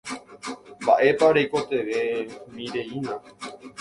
Mba'épa reikotevẽmireína